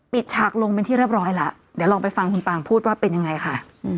ฉากลงเป็นที่เรียบร้อยแล้วเดี๋ยวลองไปฟังคุณปางพูดว่าเป็นยังไงค่ะ